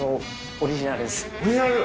オリジナル！